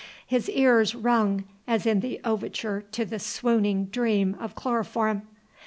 His ears rung as in the overture to the swooning dream of chloroform.